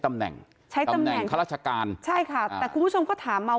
ตำแหน่งใช้ตำแหน่งข้าราชการใช่ค่ะแต่คุณผู้ชมก็ถามมา